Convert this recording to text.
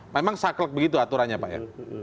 memang saklek begitu aturannya pak ya